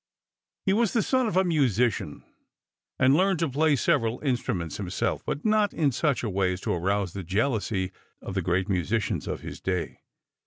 He was the son of a musician and learned to play several instruments himself, but not in such a way as to arouse the jealousy of the great musicians of his day.